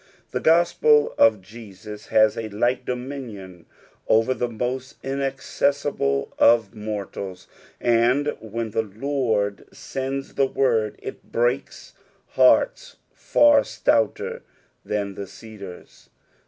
The gospel of Jesus has a like dominion over the most inaccessible of mortals ; and when tbe Lord sends the word, it breaks hearts far stouter than (be cedars.